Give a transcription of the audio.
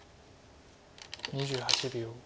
２８秒。